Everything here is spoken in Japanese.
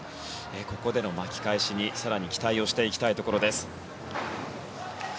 ここでの巻き返しに、更に期待していきたいところです。